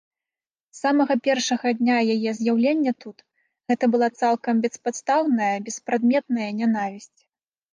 З самага першага дня яе з'яўлення тут гэта была цалкам беспадстаўная, беспрадметная нянавісць.